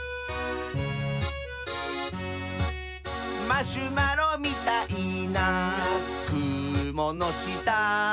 「マシュマロみたいなくものした」